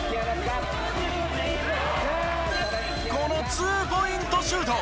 このツーポイントシュート！